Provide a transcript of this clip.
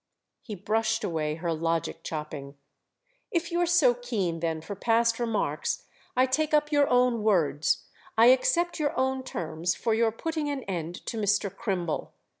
He brushed away her logic chopping. "If you're so keen then for past remarks I take up your own words—I accept your own terms for your putting an end to Mr. Crimble."